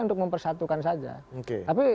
untuk mempersatukan saja tapi